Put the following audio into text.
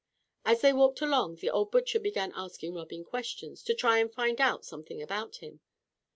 As they walked along, the old butcher began asking Robin questions, to try and find out something about him.